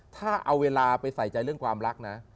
ถ้าเอาเวลาไปใส่ใจเรื่องความรักนะ